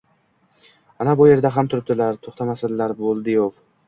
Ana bu erda ham turibdilar, to`xtatmasalar bo`ldi-yov